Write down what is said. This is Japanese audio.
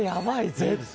絶対。